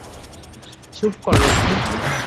চুপ কর রোশনি।